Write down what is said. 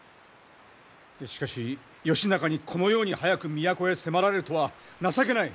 しかし義仲にこのように早く都へ迫られるとは情けない。